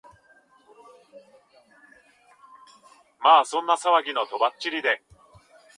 まあそんな騒ぎの飛ばっちりで、